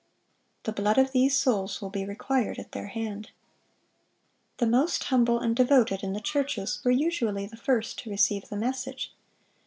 The blood of these souls will be required at their hand. The most humble and devoted in the churches were usually the first to receive the message.